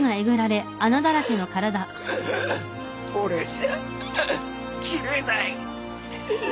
俺じゃ斬れない。